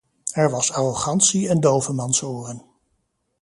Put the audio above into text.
Er was arrogantie en dovemansoren.